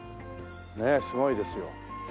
ねえすごいですよ。